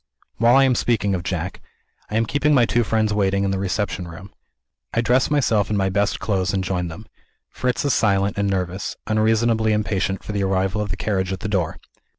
While I am speaking of Jack, I am keeping my two friends waiting in the reception room. I dress myself in my best clothes and join them. Fritz is silent and nervous; unreasonably impatient for the arrival of the carriage at the door.